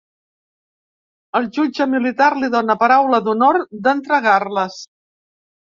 El jutge militar li dona paraula d'honor d'entregar-les.